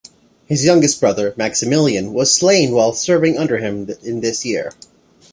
His youngest brother, Maximilian, was slain while serving under him in this year.